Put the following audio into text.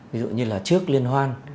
ví dụ như là trước liên hoàn